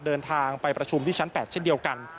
เดินทางไปประชุมที่ชั้น๘เช่นเดียวกัน